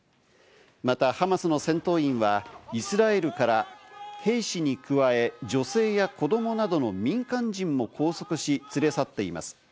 またハマスの戦闘員はイスラエルから兵士に加え、女性や子どもなどの民間人も拘束し、連れ去っています。